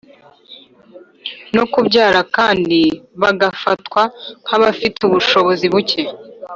no kubyara, kandi bagafatwa nk’abafite ubushobozi buke